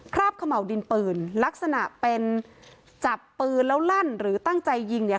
เขม่าวดินปืนลักษณะเป็นจับปืนแล้วลั่นหรือตั้งใจยิงเนี่ย